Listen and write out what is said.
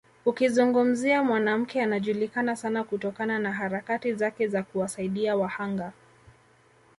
Ukizungumzia mwanamke anajulikana sana kutokana na harakati zake za kuwasaidia wahanga